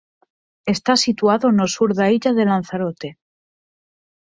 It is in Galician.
Está situado no sur da illa de Lanzarote.